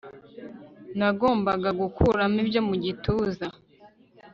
nagombaga gukuramo ibyo mu gituza